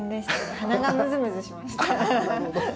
鼻がむずむずしました。